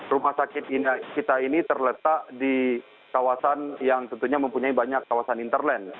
rumah sakit kita ini terletak di kawasan yang tentunya mempunyai banyak kawasan interland